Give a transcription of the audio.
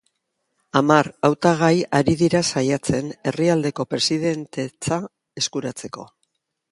Hamar hautagai ari dira saiatzen, herrialdeko presidentetza eskuratzeko.